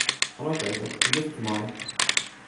Hallo Peter, hoe giet it der mei?